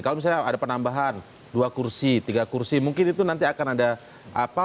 kalau misalnya ada penambahan dua kursi tiga kursi mungkin itu nanti akan ada apa